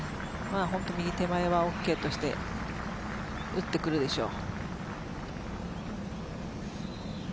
右手前はＯＫとして打ってくるでしょう。